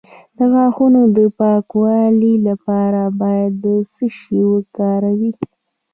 د غاښونو د پاکوالي لپاره باید څه شی وکاروم؟